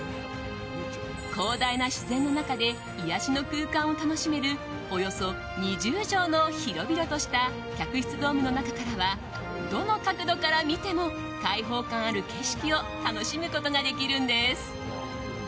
広大な自然の中で癒やしの空間を楽しめるおよそ２０畳の広々とした客室ドームの中からはどの角度から見ても開放感ある景色を楽しむことができるんです。